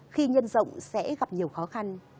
khi nhân rộng sẽ gặp nhiều khó khăn